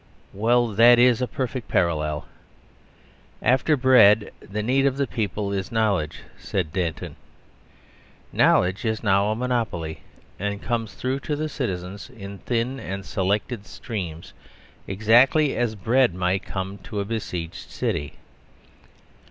Well, that is a perfect parallel. "After bread, the need of the people is knowledge," said Danton. Knowledge is now a monopoly, and comes through to the citizens in thin and selected streams, exactly as bread might come through to a besieged city.